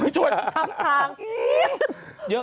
คุณช่วย